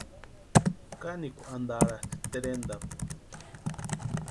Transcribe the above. Kanikwa antaratʼi terentapu.